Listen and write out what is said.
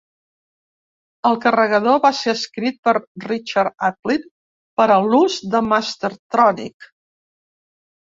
El carregador va ser escrit per Richard Aplin per a l'ús de Mastertronic.